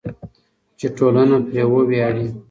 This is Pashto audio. چې ټولنه پرې وویاړي.